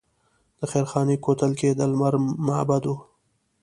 د خیرخانې کوتل کې د لمر معبد و